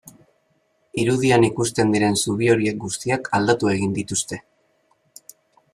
Irudian ikusten diren zubi horiek guztiak aldatu egin dituzte.